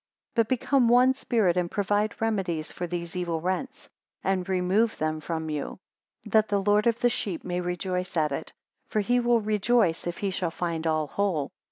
265 But become one spirit, and provide remedies for these evil rents, and remove them from you; that the lord of the sheep may rejoice at it; for he will rejoice, if he shall find all whole.